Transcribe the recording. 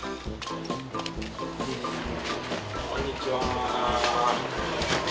こんにちは